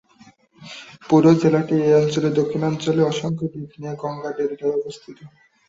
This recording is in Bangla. পুরো জেলাটি এই অঞ্চলের দক্ষিণাঞ্চলে অসংখ্য দ্বীপ নিয়ে গঙ্গা ডেল্টায় অবস্থিত।